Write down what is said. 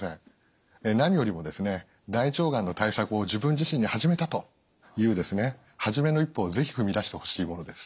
何よりも大腸がんの対策を自分自身で始めたというですね初めの一歩を是非踏み出してほしいものです。